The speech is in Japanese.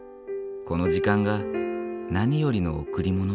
この時間が何よりの贈り物。